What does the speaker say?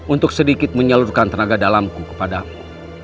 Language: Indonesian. untuk sedikit menyalurkan tenaga dalamku kepadamu